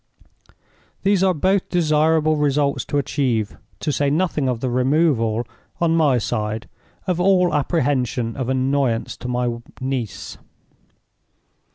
These are both desirable results to achieve—to say nothing of the removal, on my side, of all apprehension of annoyance to my niece.